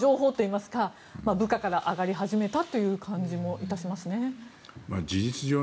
その辺りで本当の情報といいますか部下から上がり始めたという感じもいたしますね。